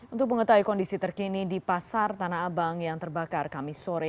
untuk mengetahui kondisi terkini di pasar tanah abang yang terbakar kami sore